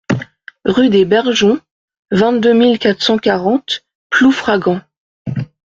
Rue des Bergeons, vingt-deux mille quatre cent quarante Ploufragan